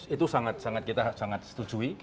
itu sangat kita setujui